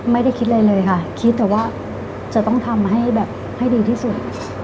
ไม่ได้คิดเลยค่ะคิดแต่ว่าจะต้องทำให้ดีที่สุด